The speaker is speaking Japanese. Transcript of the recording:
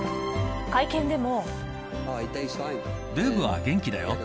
会見でも。